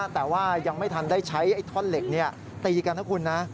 แต่ว่ายังไม่ทันได้ใช้ท่อนเหล็กตีกันนะคุณนะ